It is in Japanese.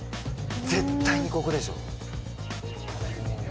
絶対にここでしょ。